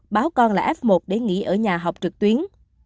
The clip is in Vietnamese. báo con là f một để nghỉ ở nhà học trực tuyến